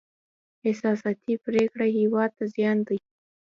احساساتي پرېکړې هېواد ته زیان دی.